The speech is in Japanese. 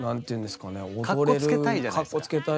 かっこつけたいじゃないですか。